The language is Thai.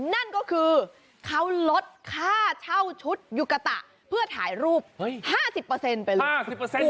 นั่นก็คือเขาลดค่าเช่าชุดยุกะตะเพื่อถ่ายรูป๕๐ไปเลย